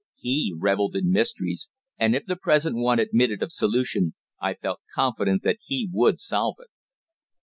He revelled in mysteries, and if the present one admitted of solution I felt confident that he would solve it.